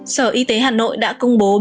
sở y tế hà nội đã công bố